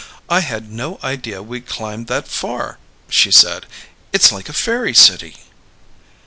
"I had no idea we'd climbed that far," she said. "It's like a fairy city."